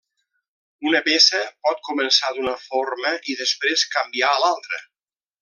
Una peça pot començar d'una forma i després canviar a l'altra.